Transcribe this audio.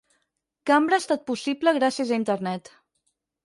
Cambra ha estat possible gràcies a Internet.